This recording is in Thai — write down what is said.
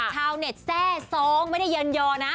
ชาวเน็ตแทร่ซ้องไม่ได้เยินยอนะ